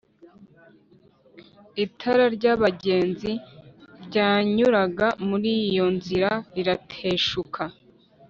itara ry’abagenzi ryanyuraga muri iyo nzira rirateshuka,